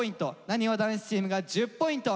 なにわ男子チームが１０ポイント。